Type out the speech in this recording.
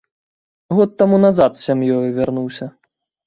Год таму назад з сям'ёю вярнуўся.